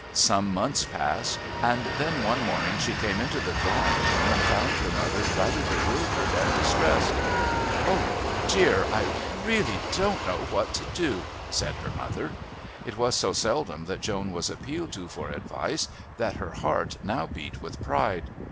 Some months passed, and then one morning she came into the drawing room and found her mother rather bewildered and distressed. "Oh dear, I really don't know what to do!" said her mother. It was so seldom that Joan was appealed to for advice that her heart now beat with pride.